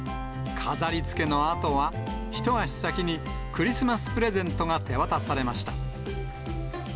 飾り付けのあとは、一足先に、クリスマスプレゼントが手渡されました。